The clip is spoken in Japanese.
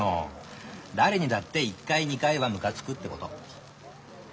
誰にだって１回２回はムカつくってこと。